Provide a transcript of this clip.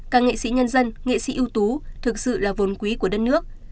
các nghệ sĩ nhân dân nghệ sĩ ưu tú thực sự là vốn quý của đất nước